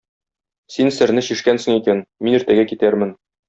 Син серне чишкәнсең икән, мин иртәгә китәрмен.